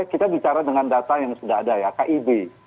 kita bicara dengan data yang sudah ada ya kib